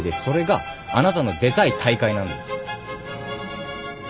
それがあなたの出たい大会なんです。